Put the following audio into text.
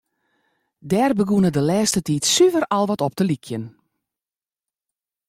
Dêr begûn it de lêste tiid suver al wer wat op te lykjen.